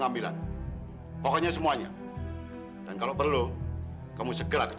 ah masya allah ini teh terry